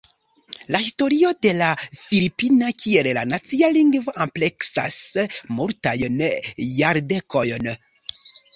La historio de la Filipina kiel la nacia lingvo ampleksas multajn jardekojn.